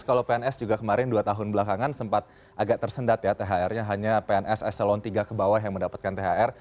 kalau pns juga kemarin dua tahun belakangan sempat agak tersendat ya thr nya hanya pns eselon tiga ke bawah yang mendapatkan thr